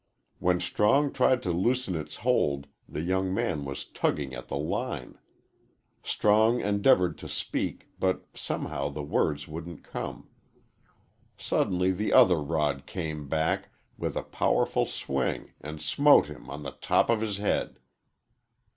When Strong tried to loosen its hold the young man was tugging at the line. Strong endeavored to speak, but somehow the words wouldn't come. Suddenly the other rod came back with a powerful swing and smote him on the top of his head.